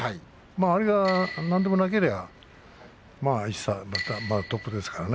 あれが何でもなければまだトップですからね。